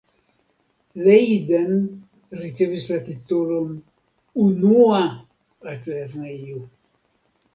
Leiden ricevis la titolon 'unua' altlernejo.